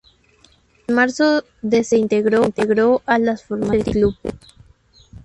En marzo de se integró a las formativas del club.